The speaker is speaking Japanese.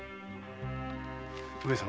上様。